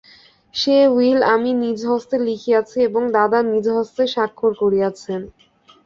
সে will আমি নিজহস্তে লিখিয়াছি এবং দাদা নিজহস্তে স্বাক্ষর করিয়াছেন।